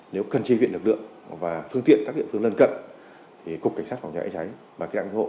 nếu cần tri viện lực lượng và phương tiện các địa phương lân cận thì cục cảnh sát phòng cháy cháy và các đảng ủng hộ